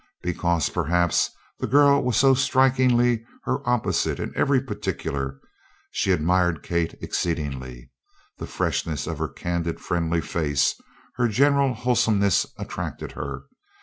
Because, perhaps, the girl was so strikingly her opposite in every particular, she admired Kate exceedingly. The freshness of her candid friendly face, her general wholesomeness attracted her.